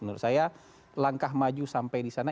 menurut saya langkah maju sampai disana